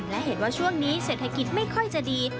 และเห็นว่าช่วงนี้เศรษฐกิจไม่ค่อยจะดี